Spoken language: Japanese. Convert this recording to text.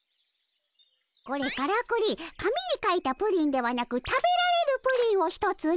これからくり紙に書いたプリンではなく食べられるプリンを１つの。